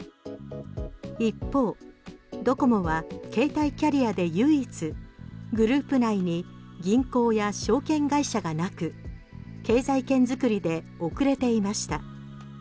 一方、ドコモは携帯キャリアで唯一グループ内に銀行や証券会社がなく経済圏作りで遅れていました。